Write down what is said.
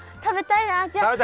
食べたい！